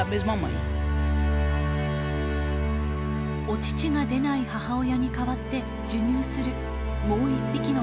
お乳が出ない母親に代わって授乳するもう１匹の母親。